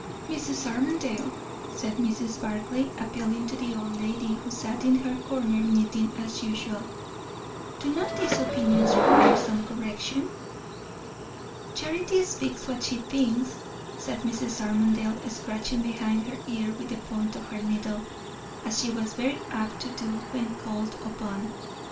"Mrs. Armadale," said Mrs. Barclay, appealing to the old lady who sat in her corner knitting as usual, "do not these opinions require some correction?" "Charity speaks what she thinks," said Mrs. Armadale, scratching behind her ear with the point of her needle, as she was very apt to do when called upon.